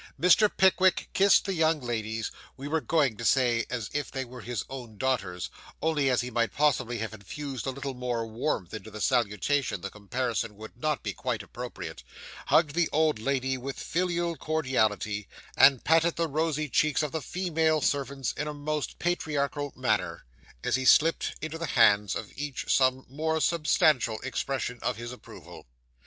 Mr. Pickwick kissed the young ladies we were going to say, as if they were his own daughters, only, as he might possibly have infused a little more warmth into the salutation, the comparison would not be quite appropriate hugged the old lady with filial cordiality; and patted the rosy cheeks of the female servants in a most patriarchal manner, as he slipped into the hands of each some more substantial expression of his approval.